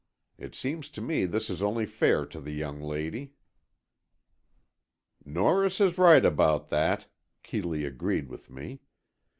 It seems to me this is only fair to the young lady." "Norris is right about that," Keeley agreed with me.